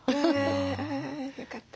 よかった。